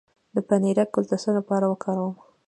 د پنیرک ګل د څه لپاره وکاروم؟